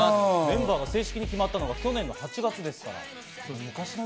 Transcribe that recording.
メンバーが正式に決まったのは去年の８月ですから。